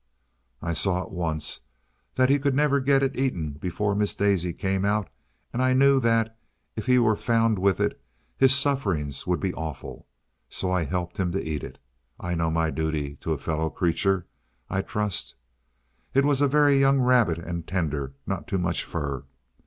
I saw at once that he could never get it eaten before Miss Daisy came out, and I knew that, if he were found with it, his sufferings would be awful. So I helped him to eat it. I know my duty to a fellow creature, I trust. It was a very young rabbit, and tender. Not too much fur.